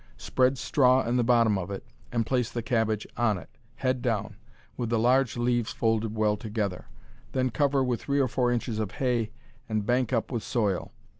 Spread straw in the bottom of it, and place the cabbage on it, head down, with the large leaves folded well together. Then cover with three or four inches of hay, and bank up with soil.